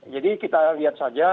jadi kita lihat saja